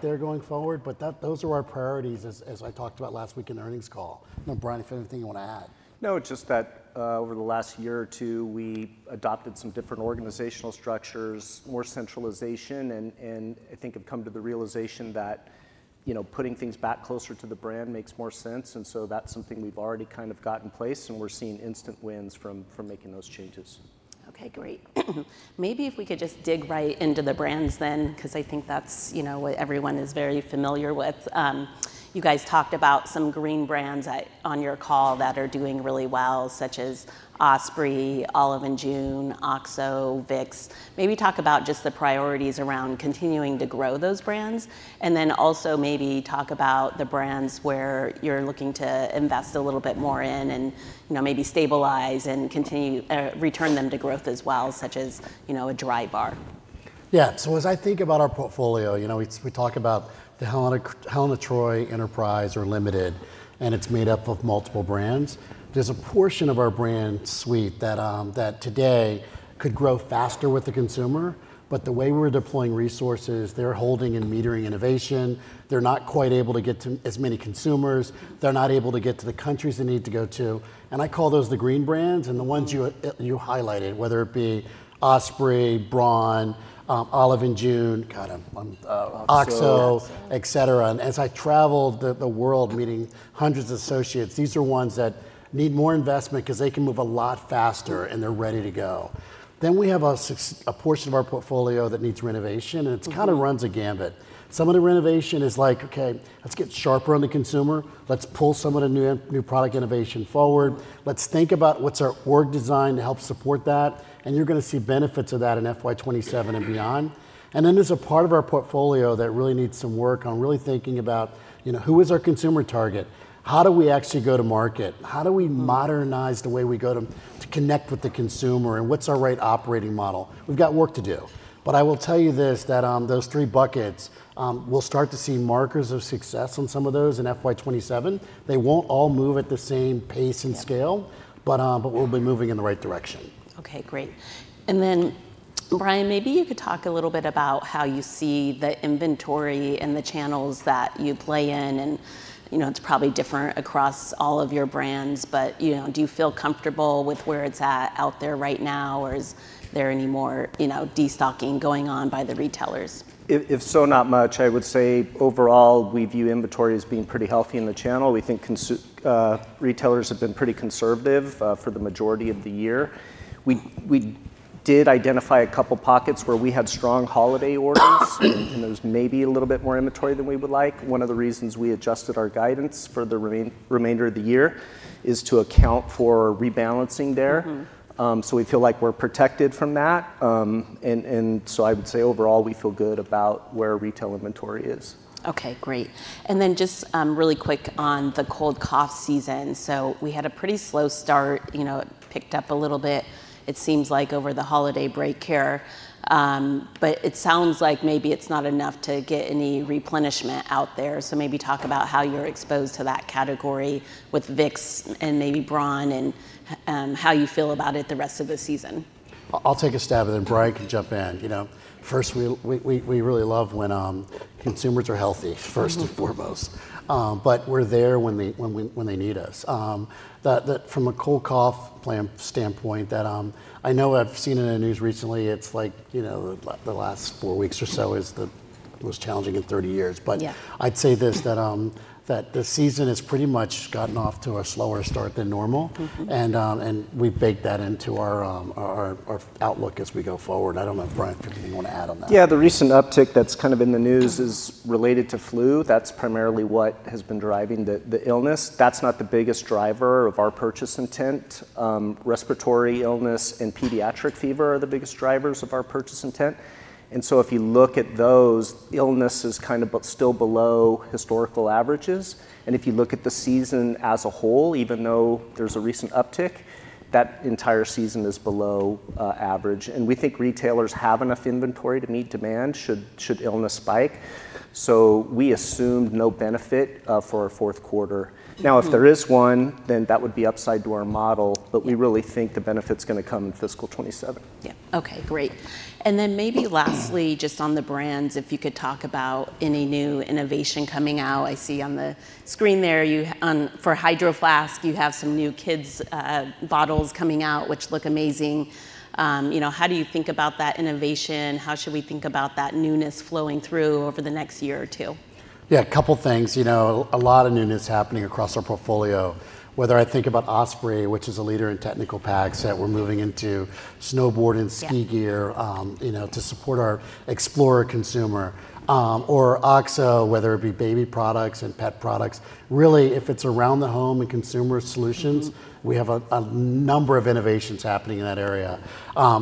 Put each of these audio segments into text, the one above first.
That they're going forward, but those are our priorities, as I talked about last week in the earnings call. Now, Brian, if there's anything you want to add? No, just that over the last year or two, we adopted some different organizational structures, more centralization, and I think have come to the realization that putting things back close. to the brand makes more sense, and so that's something we've already kind of got in place, and we're seeing instant wins from making those changes. Okay, great. Maybe if we could just dig right into the brands then, because I think that's what everyone is very familiar with. You guys talked about some green brands on your call that are doing really well, such as Osprey, Olive & June, OXO, Vicks. Maybe talk about just the priorities around continuing to grow those brands, and then also maybe talk about the brands where you're looking to invest a little bit more in and maybe stabilize and return them to growth as well, such as Drybar. Yeah, so as I think about our portfolio, we talk about the Helen of Troy Enterprise or Limited, and it's made up of multiple brands. There's a portion of our brand suite that today could grow faster with the consumer, but the way we're deploying resources, they're holding and metering innovation. They're not quite able to get to as many consumers. They're not able to get to the countries they need to go to, and I call those the green brands, and the ones you highlighted, whether it be Osprey, Braun, Olive & June, OXO, et cetera, and as I traveled the world meeting hundreds of associates, these are ones that need more investment because they can move a lot faster, and they're ready to go, then we have a portion of our portfolio that needs renovation, and it kind of runs the gamut. Some of the renovation is like, okay, let's get sharper on the consumer. Let's pull some of the new product innovation forward. Let's think about what's our org design to help support that, and you're going to see benefits of that in FY27 and beyond. And then there's a part of our portfolio that really needs some work on really thinking about who is our consumer target, how do we actually go to market, how do we modernize the way we go to connect with the consumer, and what's our right operating model. We've got work to do. But I will tell you this, that those three buckets, we'll start to see markers of success on some of those in FY27. They won't all move at the same pace and scale, but we'll be moving in the right direction. Okay, great. And then, Brian, maybe you could talk a little bit about how you see the inventory and the channels that you play in. And it's probably different across all of your brands, but do you feel comfortable with where it's at out there right now, or is there any more destocking going on by the retailers? If so, not much. I would say overall, we view inventory as being pretty healthy in the channel. We think retailers have been pretty conservative for the majority of the year. We did identify a couple of pockets where we had strong holiday orders, and there was maybe a little bit more inventory than we would like. One of the reasons we adjusted our guidance for the remainder of the year is to account for rebalancing there. So we feel like we're protected from that. And so I would say overall, we feel good about where retail inventory is. Okay, great. And then just really quick on the cold cough season. So we had a pretty slow start. It picked up a little bit, it seems like, over the holiday break here. But it sounds like maybe it's not enough to get any replenishment out there. So maybe talk about how you're exposed to that category with Vicks and maybe Braun and how you feel about it the rest of the season. I'll take a stab at it, and Brian can jump in. First, we really love when consumers are healthy, first and foremost, but we're there when they need us. From a cold cough standpoint, I know I've seen it in the news recently. It's like the last four weeks or so is the most challenging in 30 years. But I'd say this, that the season has pretty much gotten off to a slower start than normal, and we've baked that into our outlook as we go forward. I don't know, Brian, if you want to add on that. Yeah, the recent uptick that's kind of in the news is related to flu. That's primarily what has been driving the illness. That's not the biggest driver of our purchase intent. Respiratory illness and pediatric fever are the biggest drivers of our purchase intent. And so if you look at those, illness is kind of still below historical averages. And if you look at the season as a whole, even though there's a recent uptick, that entire season is below average. And we think retailers have enough inventory to meet demand should illness spike. So we assumed no benefit for our fourth quarter. Now, if there is one, then that would be upside to our model, but we really think the benefit's going to come in fiscal 27. Yeah, okay, great. And then maybe lastly, just on the brands, if you could talk about any new innovation coming out. I see on the screen there for Hydro Flask, you have some new kids' bottles coming out, which look amazing. How do you think about that innovation? How should we think about that newness flowing through over the next year or two? Yeah, a couple of things. A lot of newness happening across our portfolio. Whether I think about Osprey, which is a leader in technical packs that we're moving into, snowboard and ski gear to support our explorer consumer, or OXO, whether it be baby products and pet products. Really, if it's around the home and consumer solutions, we have a number of innovations happening in that area,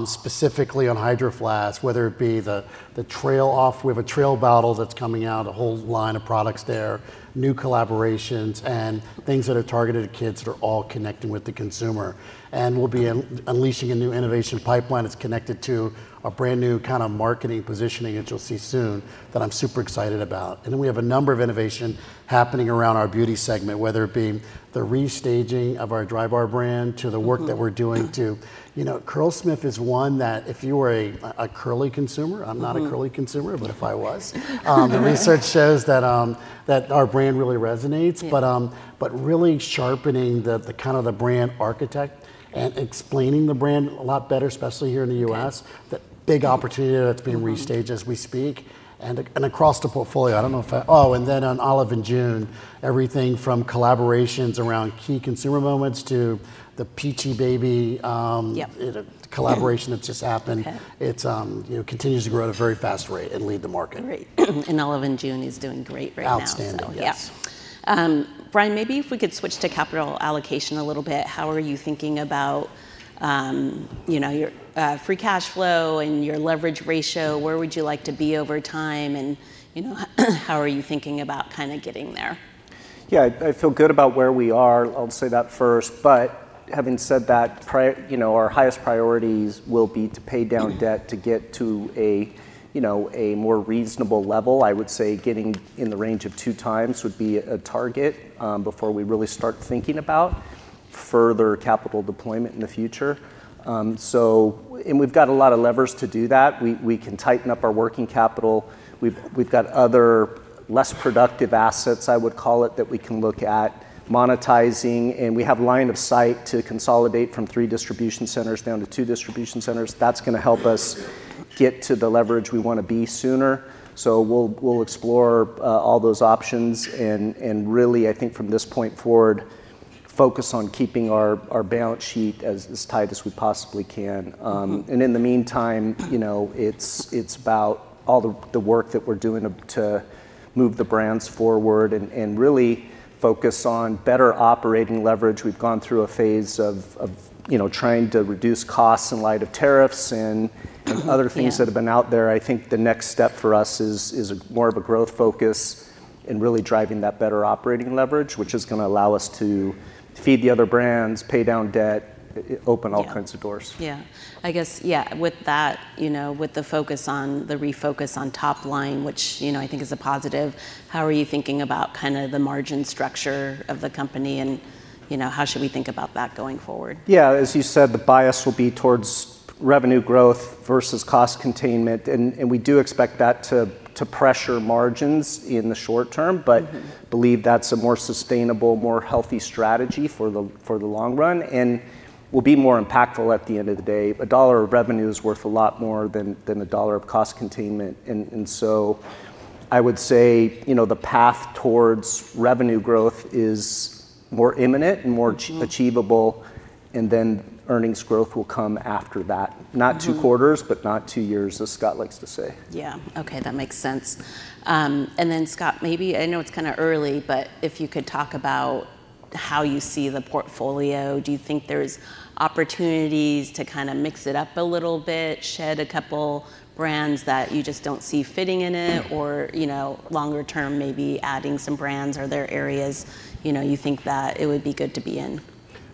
specifically on Hydro Flask, whether it be the Trail. We have a Trail bottle that's coming out, a whole line of products there, new collaborations, and things that are targeted to kids that are all connecting with the consumer, and we'll be unleashing a new innovation pipeline that's connected to a brand new kind of marketing positioning, as you'll see soon, that I'm super excited about. And then we have a number of innovations happening around our beauty segment, whether it be the restaging of our Drybar brand to the work that we're doing too. Curlsmith is one that if you were a curly consumer, I'm not a curly consumer, but if I was, the research shows that our brand really resonates. But really sharpening the kind of the brand architecture and explaining the brand a lot better, especially here in the U.S., that big opportunity that's being restaged as we speak and across the portfolio and then on Olive & June, everything from collaborations around key consumer moments to the Peachybbies collaboration that just happened. It continues to grow at a very fast rate and lead the market. Great, and Olive & June is doing great right now. Outstanding. Yes. Brian, maybe if we could switch to capital allocation a little bit. How are you thinking about your free cash flow and your leverage ratio? Where would you like to be over time, and how are you thinking about kind of getting there? Yeah, I feel good about where we are. I'll say that first. But having said that, our highest priorities will be to pay down debt to get to a more reasonable level. I would say getting in the range of two times would be a target before we really start thinking about further capital deployment in the future. And we've got a lot of levers to do that. We can tighten up our working capital. We've got other less productive assets, I would call it, that we can look at monetizing. And we have a line of sight to consolidate from three distribution centers down to two distribution centers. That's going to help us get to the leverage we want to be sooner. So we'll explore all those options. And really, I think from this point forward, focus on keeping our balance sheet as tight as we possibly can. In the meantime, it's about all the work that we're doing to move the brands forward and really focus on better operating leverage. We've gone through a phase of trying to reduce costs in light of tariffs and other things that have been out there. I think the next step for us is more of a growth focus and really driving that better operating leverage, which is going to allow us to feed the other brands, pay down debt, open all kinds of doors. With that, with the focus on the refocus on top line, which I think is a positive, how are you thinking about kind of the margin structure of the company? How should we think about that going forward? Yeah, as you said, the bias will be towards revenue growth versus cost containment. And we do expect that to pressure margins in the short term, but believe that's a more sustainable, more healthy strategy for the long run. And we'll be more impactful at the end of the day. A $1 of revenue is worth a lot more than a $1 of cost containment. And so I would say the path towards revenue growth is more imminent and more achievable, and then earnings growth will come after that. Not two quarters, but not two years, as Scott likes to say. Yeah, okay, that makes sense. And then Scott, maybe, you know, it's kind of early, but if you could talk about how you see the portfolio, do you think there's opportunities to kind of mix it up a little bit, shed a couple brands that you just don't see fitting in it, or longer term maybe adding some brands? Are there areas you think that it would be good to be in?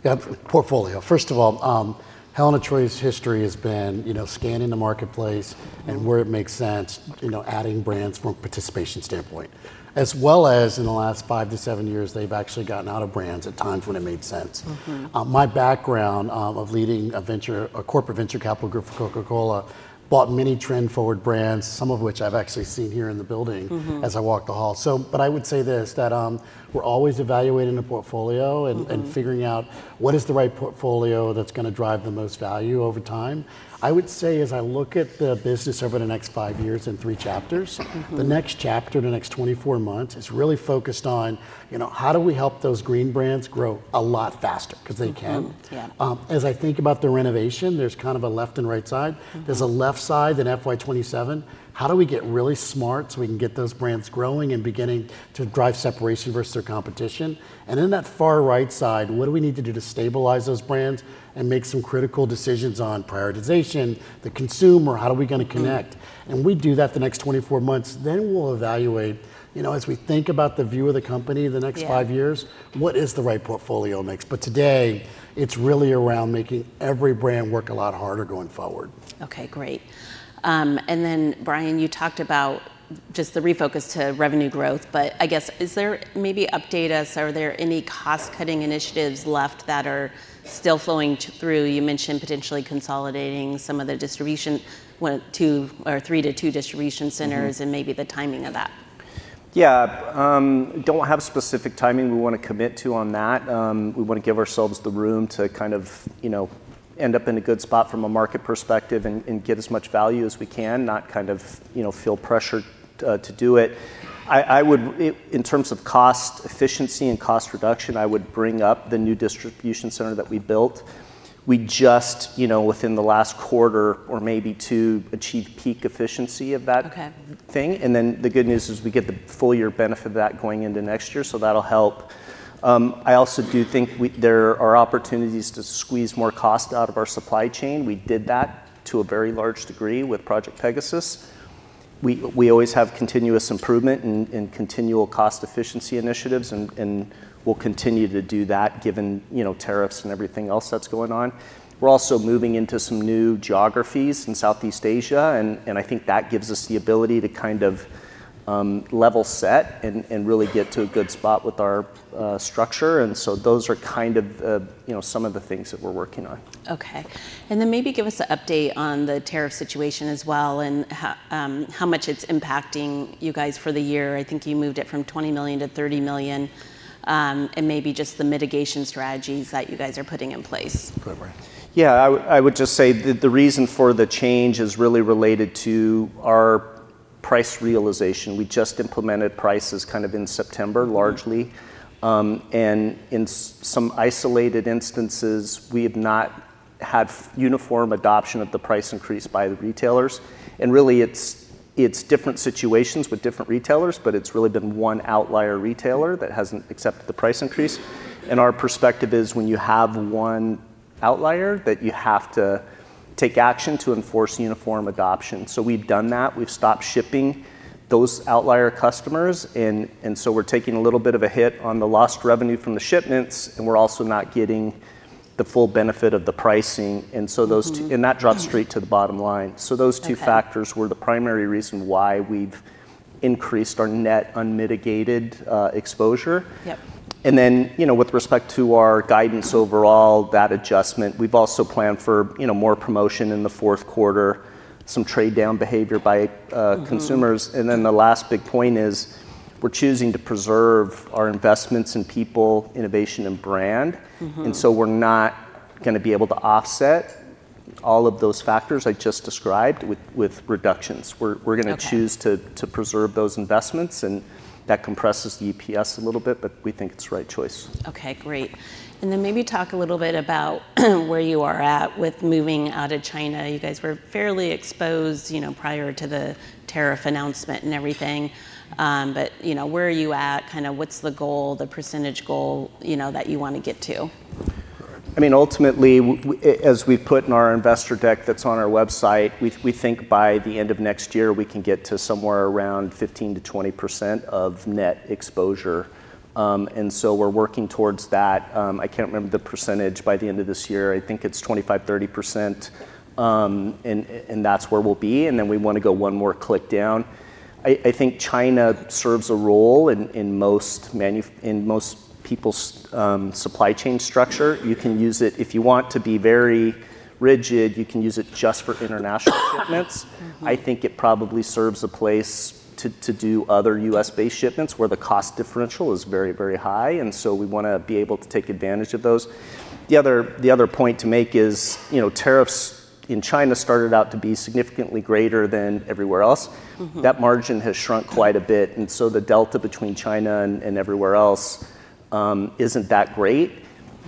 Yeah, portfolio. First of all, Helen of Troy's history has been scanning the marketplace and where it makes sense, adding brands from a participation standpoint, as well as in the last five to seven years, they've actually gotten out of brands at times when it made sense. My background of leading a corporate venture capital group for Coca-Cola bought many trend-forward brands, some of which I've actually seen here in the building as I walked the hall. But I would say this: we're always evaluating the portfolio and figuring out what is the right portfolio that's going to drive the most value over time. I would say as I look at the business over the next five years in three chapters, the next chapter in the next 24 months is really focused on how do we help those green brands grow a lot faster because they can. As I think about the renovation, there's kind of a left and right side. There's a left side in FY27. How do we get really smart so we can get those brands growing and beginning to drive separation versus their competition? And then that far right side, what do we need to do to stabilize those brands and make some critical decisions on prioritization, the consumer, how are we going to connect? We do that the next 24 months. We'll evaluate as we think about the view of the company in the next five years, what is the right portfolio mix? Today, it's really around making every brand work a lot harder going forward. Okay, great. And then, Brian, you talked about just the refocus to revenue growth, but I guess is there maybe update us? Are there any cost-cutting initiatives left that are still flowing through? You mentioned potentially consolidating some of the distribution to three to two distribution centers and maybe the timing of that. Yeah, don't have specific timing we want to commit to on that. We want to give ourselves the room to kind of end up in a good spot from a market perspective and get as much value as we can, not kind of feel pressured to do it. In terms of cost efficiency and cost reduction, I would bring up the new distribution center that we built. We just, within the last quarter or maybe two, achieved peak efficiency of that thing. And then the good news is we get the full year benefit of that going into next year, so that'll help. I also do think there are opportunities to squeeze more cost out of our supply chain. We did that to a very large degree with Project Pegasus. We always have continuous improvement and continual cost efficiency initiatives, and we'll continue to do that given tariffs and everything else that's going on. We're also moving into some new geographies in Southeast Asia, and I think that gives us the ability to kind of level set and really get to a good spot with our structure, and so those are kind of some of the things that we're working on. Okay. And then maybe give us an update on the tariff situation as well and how much it's impacting you guys for the year. I think you moved it from $20 million to $30 million and maybe just the mitigation strategies that you guys are putting in place. Go Brian. Yeah, I would just say the reason for the change is really related to our price realization. We just implemented prices kind of in September, largely, and in some isolated instances, we have not had uniform adoption of the price increase by the retailers, and really, it's different situations with different retailers, but it's really been one outlier retailer that hasn't accepted the price increase, and our perspective is when you have one outlier, that you have to take action to enforce uniform adoption, so we've done that. We've stopped shipping those outlier customers, and so we're taking a little bit of a hit on the lost revenue from the shipments, and we're also not getting the full benefit of the pricing, and that drops straight to the bottom line, so those two factors were the primary reason why we've increased our net unmitigated exposure. And then, with respect to our guidance overall, that adjustment. We've also planned for more promotion in the fourth quarter, some trade-down behavior by consumers. And then, the last big point is we're choosing to preserve our investments in people, innovation, and brand. And so, we're not going to be able to offset all of those factors I just described with reductions. We're going to choose to preserve those investments, and that compresses the EPS a little bit, but we think it's the right choice. Okay, great. And then maybe talk a little bit about where you are at with moving out of China. You guys were fairly exposed prior to the tariff announcement and everything. But where are you at? Kind of what's the goal, the percentage goal that you want to get to? I mean, ultimately, as we've put in our investor deck that's on our website, we think by the end of next year, we can get to somewhere around 15%-20% of net exposure, and so we're working towards that. I can't remember the percentage by the end of this year, I think it's 25%-30%, and that's where we'll be, and then we want to go one more click down. I think China serves a role in most people's supply chain structure. You can use it if you want to be very rigid. You can use it just for international shipments. I think it probably serves a place to do other U.S.-based shipments where the cost differential is very, very high, and so we want to be able to take advantage of those. The other point to make is tariffs in China started out to be significantly greater than everywhere else. That margin has shrunk quite a bit, and so the delta between China and everywhere else isn't that great.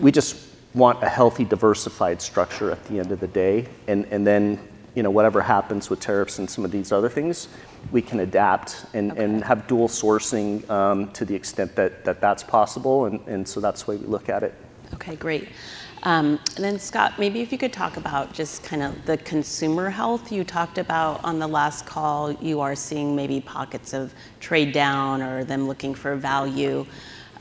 We just want a healthy, diversified structure at the end of the day, and then whatever happens with tariffs and some of these other things, we can adapt and have dual sourcing to the extent that that's possible, and so that's the way we look at it. Okay, great, and then Scott, maybe if you could talk about just kind of the consumer health you talked about on the last call, you are seeing maybe pockets of trade down or them looking for value.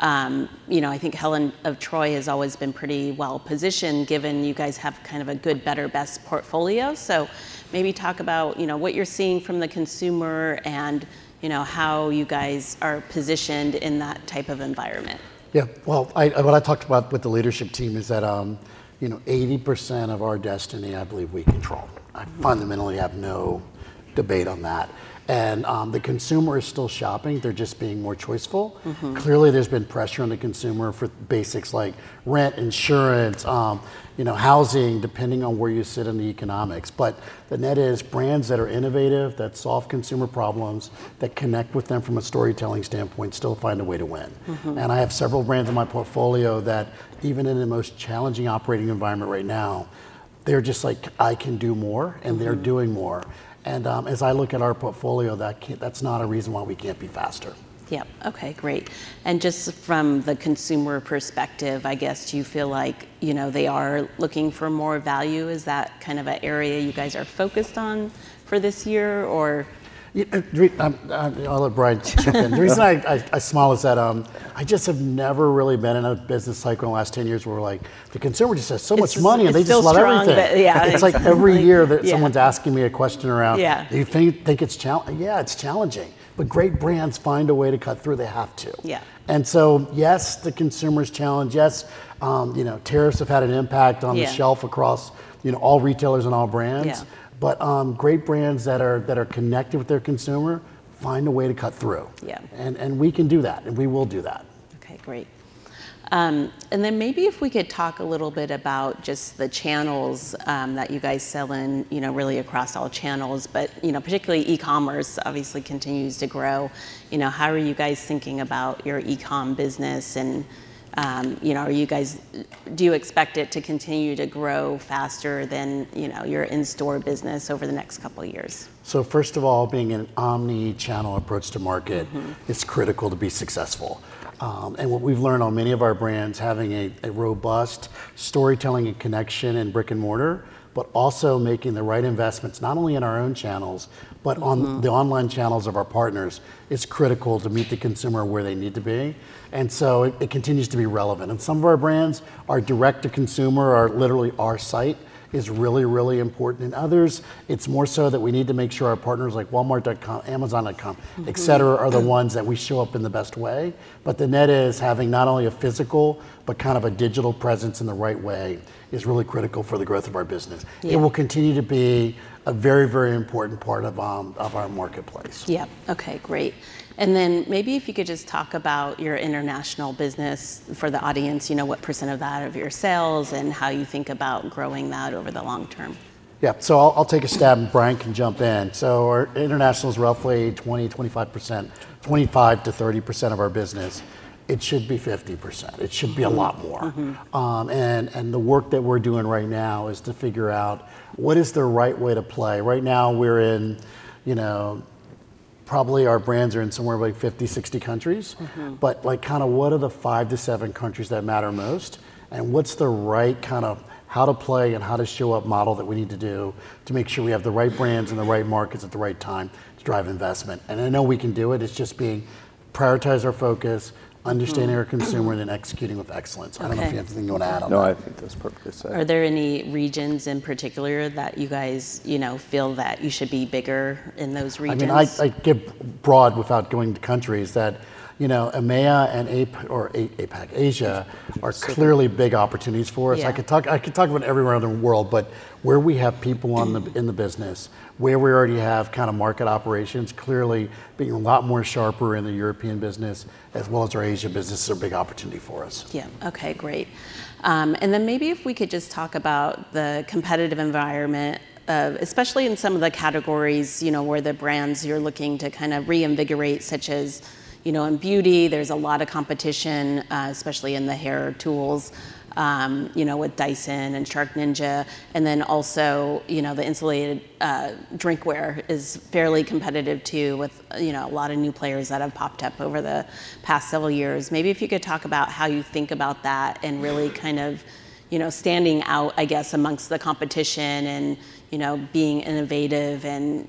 I think Helen of Troy has always been pretty well positioned given you guys have kind of a good, better, best portfolio, so maybe talk about what you're seeing from the consumer and how you guys are positioned in that type of environment. Yeah, well, what I talked about with the leadership team is that 80% of our destiny, I believe we control. I fundamentally have no debate on that. And the consumer is still shopping. They're just being more choiceful. Clearly, there's been pressure on the consumer for basics like rent, insurance, housing, depending on where you sit in the economics. But the net is brands that are innovative, that solve consumer problems, that connect with them from a storytelling standpoint, still find a way to win. And I have several brands in my portfolio that even in the most challenging operating environment right now, they're just like, "I can do more," and they're doing more. And as I look at our portfolio, that's not a reason why we can't be faster. Yep. Okay, great, and just from the consumer perspective, I guess, do you feel like they are looking for more value? Is that kind of an area you guys are focused on for this year or? I'll let Brian chip in. The reason I smile is that I just have never really been in a business cycle in the last 10 years where the consumer just has so much money, and they just love everything. It's still strong but, yeah. It's like every year that someone's asking me a question around, "Do you think it's challenging?" Yeah, it's challenging. But great brands find a way to cut through. They have to. And so yes, the consumer's challenge. Yes, tariffs have had an impact on the shelf across all retailers and all brands. But great brands that are connected with their consumer find a way to cut through. And we can do that, and we will do that. Okay, great. And then maybe if we could talk a little bit about just the channels that you guys sell in, really across all channels, but particularly e-commerce, obviously, continues to grow. How are you guys thinking about your e-com business? And do you expect it to continue to grow faster than your in-store business over the next couple of years? First of all, being an omnichannel approach to market, it's critical to be successful. What we've learned on many of our brands, having a robust storytelling and connection in brick and mortar, but also making the right investments not only in our own channels, but on the online channels of our partners, it's critical to meet the consumer where they need to be. It continues to be relevant. Some of our brands, our direct-to-consumer, literally our site is really, really important. In others, it's more so that we need to make sure our partners like Walmart.com, Amazon.com, etc., are the ones that we show up in the best way. The net is having not only a physical, but kind of a digital presence in the right way is really critical for the growth of our business. It will continue to be a very, very important part of our marketplace. Yep. Okay, great. And then maybe if you could just talk about your international business for the audience, what percent of that of your sales and how you think about growing that over the long term? Yeah, so I'll take a stab, and Brian can jump in. Our international is roughly 20-25%, 25-30% of our business. It should be 50%. It should be a lot more. The work that we're doing right now is to figure out what is the right way to play. Right now, we're in probably our brands are in somewhere like 50-60 countries, but kind of what are the five to seven countries that matter most? And what's the right kind of how to play and how to show up model that we need to do to make sure we have the right brands and the right markets at the right time to drive investment? I know we can do it. It's just being prioritize our focus, understanding our consumer, and then executing with excellence. Okay. I don't know if you have anything you want to add on that. No, I think that's perfectly said. Are there any regions in particular that you guys feel that you should be bigger in those regions? I mean, I give broad without going to countries. That EMEA and APAC Asia are clearly big opportunities for us. I could talk about everywhere in the world, but where we have people in the business, where we already have kind of market operations, clearly being a lot more sharper in the European business, as well as our Asia business, is a big opportunity for us. Yeah. Okay, great. And then maybe if we could just talk about the competitive environment, especially in some of the categories where the brands you're looking to kind of reinvigorate, such as in beauty, there's a lot of competition, especially in the hair tools with Dyson and SharkNinja. And then also the insulated drinkware is fairly competitive too with a lot of new players that have popped up over the past several years. Maybe if you could talk about how you think about that and really kind of standing out, I guess, amongst the competition and being innovative and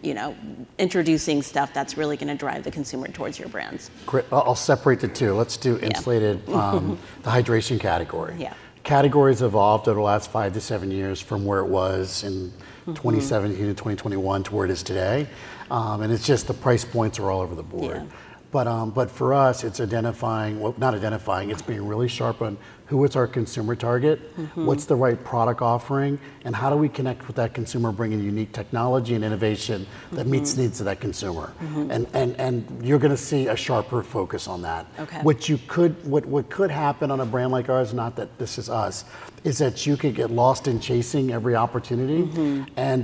introducing stuff that's really going to drive the consumer towards your brands? I'll separate the two. Let's do insulated, the hydration category. Categories evolved over the last five to seven years from where it was in 2017 to 2021 to where it is today, and it's just the price points are all over the board, but for us, it's identifying, well, not identifying, it's being really sharp on who is our consumer target, what's the right product offering, and how do we connect with that consumer, bringing unique technology and innovation that meets the needs of that consumer, and you're going to see a sharper focus on that. What could happen on a brand like ours, not that this is us, is that you could get lost in chasing every opportunity. And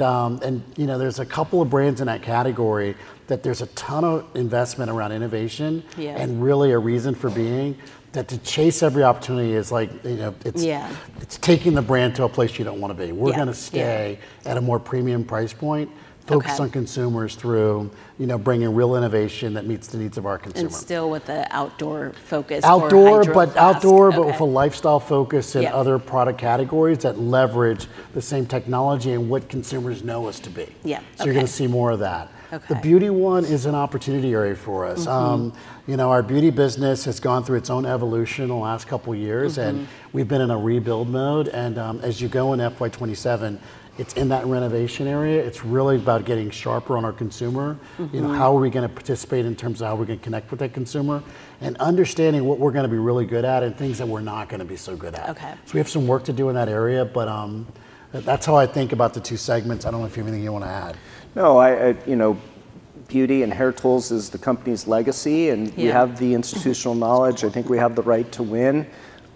there's a couple of brands in that category that there's a ton of investment around innovation and really a reason for being that to chase every opportunity is like it's taking the brand to a place you don't want to be. We're going to stay at a more premium price point, focus on consumers through bringing real innovation that meets the needs of our consumers. Still with the outdoor focus for a while. Outdoor, but with a lifestyle focus and other product categories that leverage the same technology and what consumers know us to be, so you're going to see more of that. The beauty one is an opportunity area for us. Our beauty business has gone through its own evolution in the last couple of years, and we've been in a rebuild mode, and as you go in FY27, it's in that renovation area. It's really about getting sharper on our consumer. How are we going to participate in terms of how we're going to connect with that consumer and understanding what we're going to be really good at and things that we're not going to be so good at, so we have some work to do in that area, but that's how I think about the two segments. I don't know if you have anything you want to add. No, beauty and hair tools is the company's legacy, and we have the institutional knowledge. I think we have the right to win.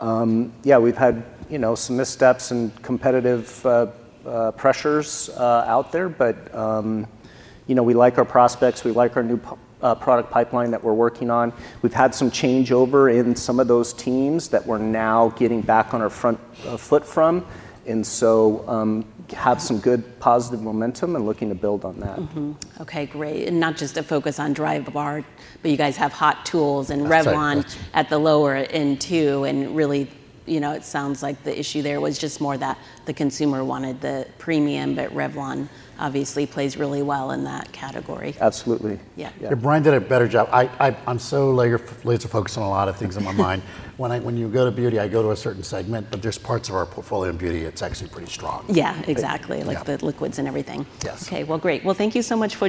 Yeah, we've had some missteps and competitive pressures out there, but we like our prospects. We like our new product pipeline that we're working on. We've had some changeover in some of those teams that we're now getting back on our front foot from, and so have some good positive momentum and looking to build on that. Okay, great. And not just a focus on Drybar, but you guys have Hot Tools and Revlon at the lower end too. And really, it sounds like the issue there was just more that the consumer wanted the premium, but Revlon obviously plays really well in that category. Absolutely. Yeah. Yeah. Brian did a better job. I'm so laser-focused on a lot of things in my mind. When you go to beauty, I go to a certain segment, but there's parts of our portfolio in beauty that's actually pretty strong. Yeah, exactly. Like the liquids and everything. Yes. Okay, well, great. Well, thank you so much for.